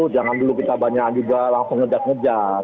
jangan dulu kita banyakan juga langsung ngejak ngejak